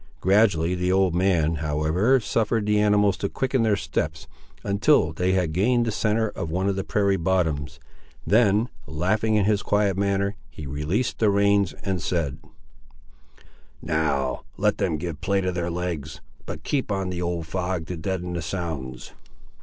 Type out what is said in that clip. Gradually the old man, however, suffered the animals to quicken their steps, until they had gained the centre of one of the prairie bottoms. Then laughing in his quiet manner he released the reins and said— "Now, let them give play to their legs; but keep on the old fog to deaden the sounds."